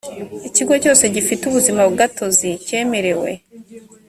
ikigo cyose gifite ubuzimagatozi cyeremewe